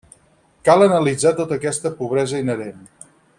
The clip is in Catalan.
Cal analitzar tota aquesta pobresa inherent.